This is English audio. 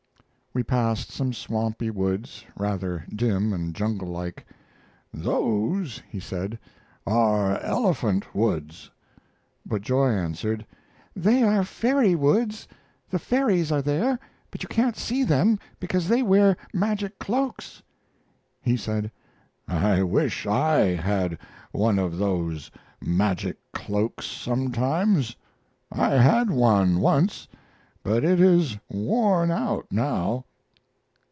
We passed some swampy woods, rather dim and junglelike. "Those," he said, "are elephant woods." But Joy answered: "They are fairy woods. The fairies are there, but you can't see them because they wear magic cloaks." He said: "I wish I had one of those magic cloaks, sometimes. I had one once, but it is worn out now."